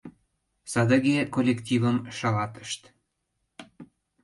Садыге коллективым шалатышт.